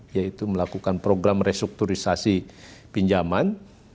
yaitu melakukan program restrukturisasi pinjaman